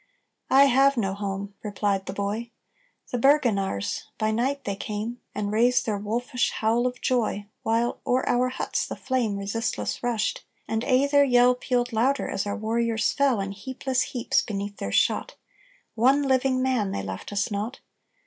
"I have no home!" replied the boy; "The Bergenaars by night they came, And raised their wolfish howl of joy, While o'er our huts the flame Resistless rushed; and aye their yell Pealed louder as our warriors fell In helpless heaps beneath their shot: One living man they left us not!